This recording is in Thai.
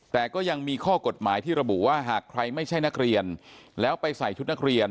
แต่ก็ยังมีข้อกฎหมายที่ระบุว่าหากใครไม่ใช่นักเรียนแล้วไปใส่ชุดนักเรียน